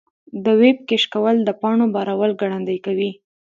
د ویب کیش کول د پاڼو بارول ګړندي کوي.